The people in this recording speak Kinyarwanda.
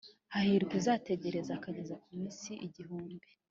Hahirwa uzategereza akageza ku minsi igihumbi